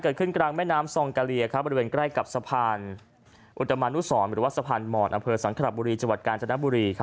กลางแม่น้ำซองกะเลียบริเวณใกล้กับสะพานอุตมานุสรหรือว่าสะพานหมอนอำเภอสังขระบุรีจังหวัดกาญจนบุรี